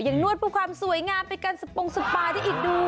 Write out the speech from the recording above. ยังนวดผู้ความสวยงามไปกันสปงสปาที่อีกด้วย